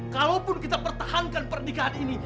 kalaupun kita pertahankan pernikahan ini